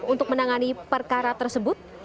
untuk menangani perkara tersebut